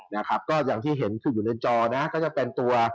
นะครับก็อย่างที่เห็นคืออยู่ในจอนะก็จะเป็นตัว